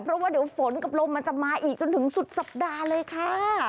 เพราะว่าเดี๋ยวฝนกับลมมันจะมาอีกจนถึงสุดสัปดาห์เลยค่ะ